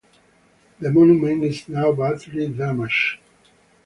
The monument is now badly damaged.